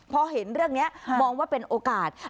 พอเห็นเรื่องนี้มองว่าเป็นโอกาส